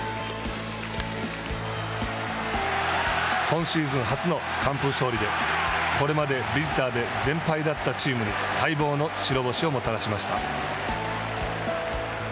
今シーズン初の完封勝利でこれまでビジターで全敗だったチームに待望の白星をもたらしました。